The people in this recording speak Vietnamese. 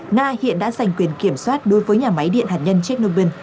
nga hiện đã giành quyền kiểm soát đối với nhà máy điện hạt nhân chernombin